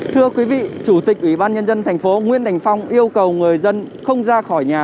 thưa quý vị chủ tịch ủy ban nhân dân tp nguyễn đành phong yêu cầu người dân không ra khỏi nhà